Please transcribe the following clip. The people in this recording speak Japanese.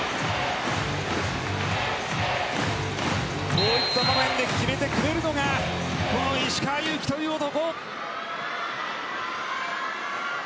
こういった場面で決めてくれるのがこの石川祐希という男。